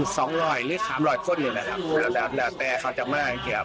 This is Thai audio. สองร้อยหรือครับร้อยข้นเลยนะครับแต่เขาจะมา